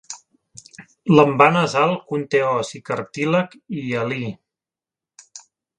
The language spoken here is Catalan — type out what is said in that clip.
L'envà nasal conté os i cartílag hialí.